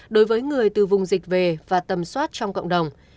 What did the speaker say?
đối với người từ vùng dịch về và tầm soát trong cộng đồng